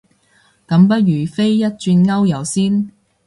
咁不如飛一轉歐遊先